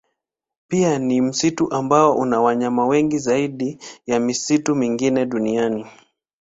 Pia ni msitu ambao una wanyama wengi zaidi ya misitu mingine duniani.